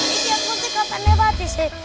ini aku ngerti katanya bati sih